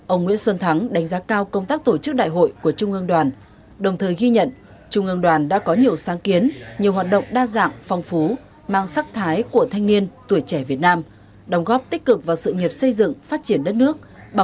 ông nguyễn xuân thắng đánh giá cao công tác tổ chức đại hội của trung ương đoàn đồng thời ghi nhận trung ương đoàn đã có nhiều sáng kiến nhiều hoạt động đa dạng phong phú mang sắc thái của thanh niên tuổi trẻ việt nam đồng góp tích cực vào sự nghiệp xây dựng phát triển đất nước